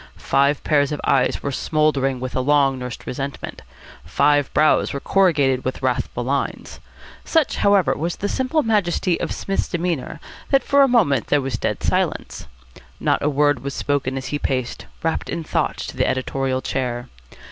Five pairs of eyes were smouldering with a long nursed resentment. Five brows were corrugated with wrathful lines. Such, however, was the simple majesty of Psmith's demeanour that for a moment there was dead silence. Not a word was spoken as he paced, wrapped in thought, to the editorial chair.